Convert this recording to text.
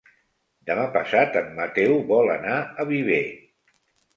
Demà passat en Mateu vol anar a Viver.